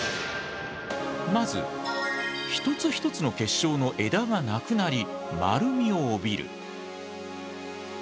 まず一つ一つの結晶の枝がなくなり丸みを帯びる。